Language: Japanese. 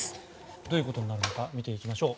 どういうことになるのか見ていきましょう。